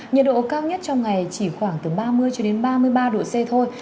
nhiệt độ cao nhất trong ngày chỉ khoảng từ ba mươi ba mươi ba độ c thôi